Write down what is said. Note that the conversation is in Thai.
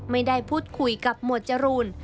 ไม่ได้พูดคุยกับหมวดจรูน